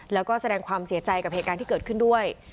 แล้วก็แสดงความเสียใจกับเหตุการณ์ที่เกิดขึ้นด้วย